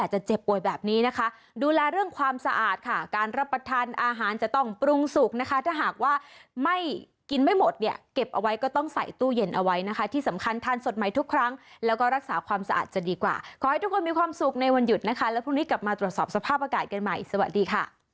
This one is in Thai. เจ็บป่วยแบบนี้นะคะดูแลเรื่องความสะอาดค่ะการรับประทานอาหารจะต้องปรุงสุกนะคะถ้าหากว่าไม่กินไม่หมดเนี่ยเก็บเอาไว้ก็ต้องใส่ตู้เย็นเอาไว้นะคะที่สำคัญทานสดใหม่ทุกครั้งแล้วก็รักษาความสะอาดจะดีกว่าขอให้ทุกคนมีความสุขในวันหยุดนะคะแล้วพรุ่งนี้กลับมาตรวจสอบสภาพอากาศกันใหม่สวัสดีค่ะ